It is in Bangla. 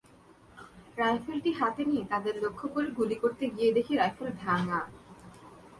রাইফেলটি হাতে নিয়ে তাদের লক্ষ্য করে গুলি করতে গিয়ে দেখি রাইফেল ভাঙা।